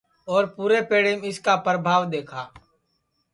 اور پُورے پیڑیم اِس کا پربھاو دؔیکھا